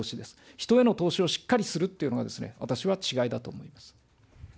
人への投資をしっかりするっていうのがですね、私は違いだと思います。